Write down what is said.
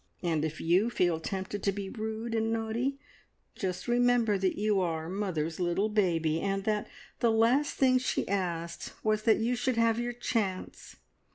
And if you feel tempted to be rude and naughty, just remember that you are mother's little baby, and that the last thing she asked was that you should have your chance!